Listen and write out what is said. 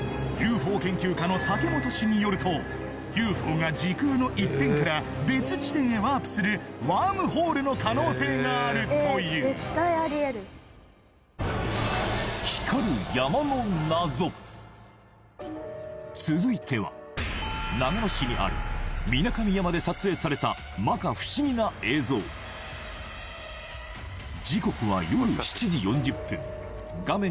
ＵＦＯ研究家の竹本氏によるとＵＦＯが時空の一点から別地点へワープするワームホールの可能性があるという続いては長野市にある皆神山で撮影された摩訶不思議な映像時刻は夜７時４０分画面